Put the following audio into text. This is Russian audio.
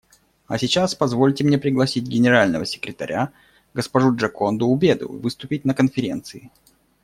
А сейчас позвольте мне пригласить Генерального секретаря госпожу Джоконду Убеду выступить на Конференции.